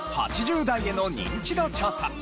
８０代へのニンチド調査。